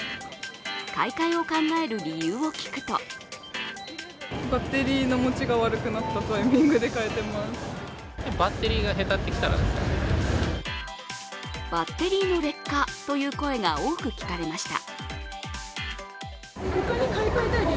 買い替えを考える理由を聞くとバッテリーの劣化という声が多く聞かれました。